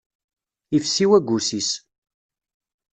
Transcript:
Ifsi waggus-is.